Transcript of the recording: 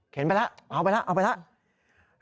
ไปแล้วเอาไปแล้วเอาไปแล้ว